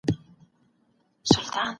د اېنویډیا ارزښت کم شو.